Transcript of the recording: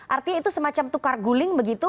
artinya itu semacam tukar guling begitu